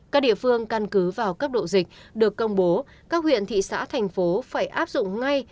các địa phương căn cứ vào cấp độ dịch được công bố các huyện thị xã thành phố phải áp dụng ngay